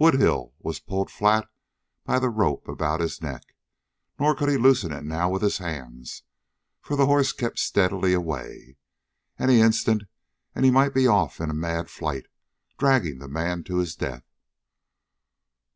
Woodhull was pulled flat by the rope about his neck, nor could he loosen it now with his hands, for the horse kept steadily away. Any instant and he might be off in a mad flight, dragging the man to his death.